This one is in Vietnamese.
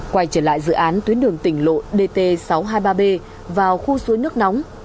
quay trở lại dự án tuyến đường tỉnh lộ dt sáu trăm hai mươi ba b vào khu suối nước nóng